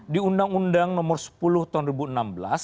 di undang undang nomor sepuluh tahun dua ribu enam belas